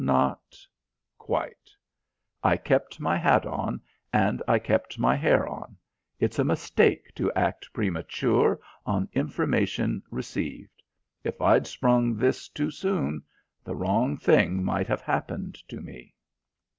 Not quite. I kept my hat on and I kept my hair on. It's a mistake to act premature on information received. If I'd sprung this too soon, the wrong thing might have happened to me."